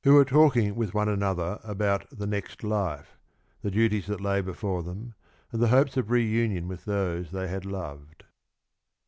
were talking with one another about the next life, the duties that lay before them and the hopes of reunion with those they had loved.